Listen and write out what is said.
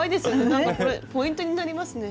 なんかこれポイントになりますね。